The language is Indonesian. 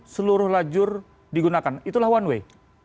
seluruh lajur digunakan itulah one way